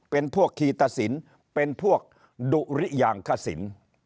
เป็นพวกคีตศิลป์เป็นพวกดุริยางฆศิลป์